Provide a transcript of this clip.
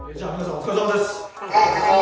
お疲れさまです。